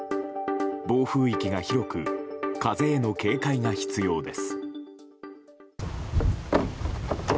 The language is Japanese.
暴風域が広く風への警戒が必要です。